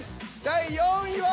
第４位は。